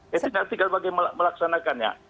ya tinggal tinggal bagaimana melaksanakannya